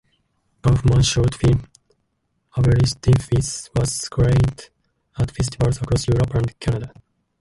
Kaufmans short film "Aberistiwith" was screened at festivals across Europe and Canada.